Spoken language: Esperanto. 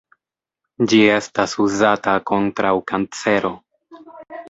Ĝi estas uzata kontraŭ kancero.